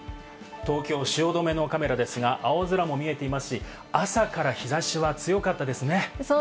東京・汐留のカメラですが、青空も見えていますし、朝から日差しは強かったですね。